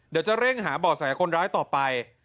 เดี๋ยวจะเร่งหาบ่อแสคนร้ายต่อไป